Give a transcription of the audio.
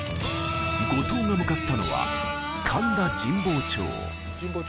後藤が向かったのは神田神保町